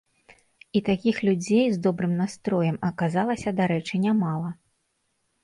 І такіх людзей з добрым настроем аказалася, дарэчы, нямала.